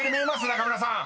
中村さん］